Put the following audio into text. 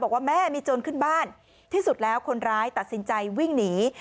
บอกว่าแม่มีโจรขึ้นบ้านที่สุดแล้วคนร้ายตัดสินใจวิ่งหนี